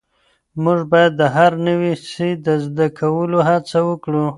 موږ باید د هر نوي سی د زده کولو هڅه وکړو.